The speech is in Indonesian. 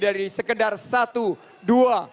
dari sekedar satu dua